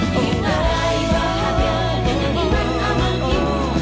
kita raih bahagia dengan iman amanimu